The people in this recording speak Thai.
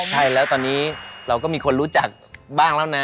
ใช่แล้วตอนนี้เราก็มีคนรู้จักบ้างแล้วนะ